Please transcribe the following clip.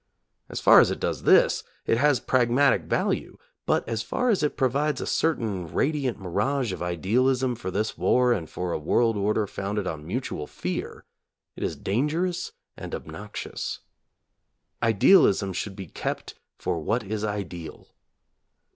As far as it does this it has pragmatic value, but as far as it provides a certain radiant mirage of idealism for this war and for a world order founded on mutual fear, it is dangerous and obnoxious. Idealism should be kept for what is ideal.